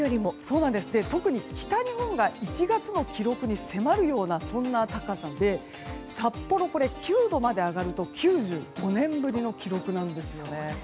特に北日本が１月の記録に迫るようなそんな高さで札幌、これが９度まで上がると９５年ぶりの記録なんですよね。